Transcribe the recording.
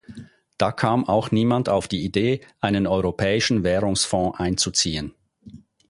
Da kam auch niemand auf die Idee, einen Europäischen Währungsfonds einzuziehen.